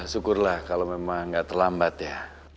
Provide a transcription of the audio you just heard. alhamdulillah kalau memang gak terlambat ya